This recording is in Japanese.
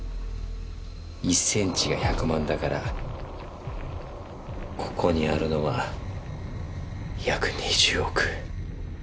１ｃｍが１００万だからここにあるのは約２０億。